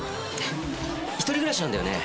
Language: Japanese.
一人暮らしなんだよね？